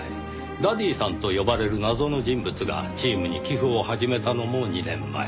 ダディさんと呼ばれる謎の人物がチームに寄付を始めたのも２年前。